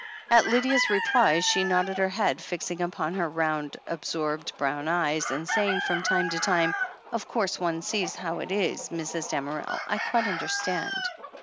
At Lydia's replies she nodded her head, fixing upon her round, absorbed brown eyes, and saying from time to time: "Of course — one sees how it is, Mrs. Dam erel. I quite understand."